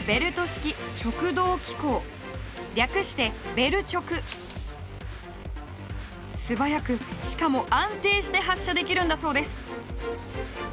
これ素早くしかも安定して発射できるんだそうです。